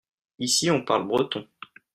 ici on parle breton.